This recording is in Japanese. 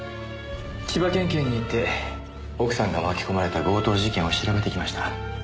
千葉県警に行って奥さんが巻き込まれた強盗事件を調べてきました。